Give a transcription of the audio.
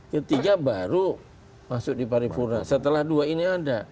ketiga baru masuk di paripurna setelah dua ini ada